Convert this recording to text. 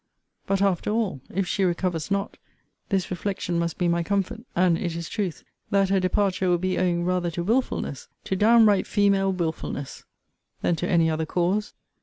But after all, if she recovers not, this reflection must be my comfort; and it is truth; that her departure will be owing rather to wilfulness, to downright female wilfulness, than to any other cause.